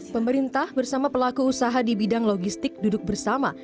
pemerintah bersama pelaku usaha di bidang logistik duduk bersama